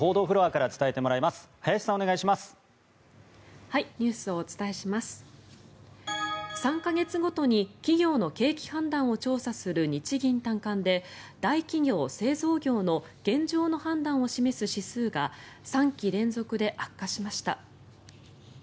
３か月ごとに企業の景気判断を調査する日銀短観で大企業・製造業の現状の判断を示す指数が３期連続で悪化しました。